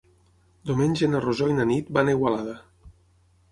Diumenge na Rosó i na Nit van a Igualada.